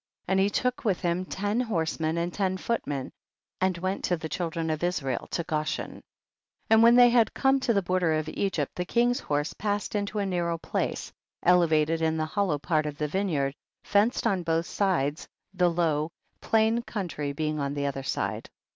41. And he took with him ten horsemen and ten footmen, and went to the children of Israel to Goshen. 42. And when they had come to the border of Egypt, the king's horse passed into a narrow place, elevated in the hollow part of the vineyard, fenced on both sides, the low, plain country being on the other side.